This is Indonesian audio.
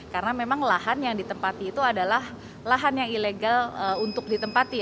karena memang lahan yang ditempati itu adalah lahan yang ilegal untuk ditempati